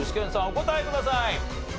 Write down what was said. お答えください。